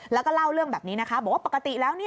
แล้วก็เล่าเรื่องแบบนี้นะคะบอกว่าปกติแล้ว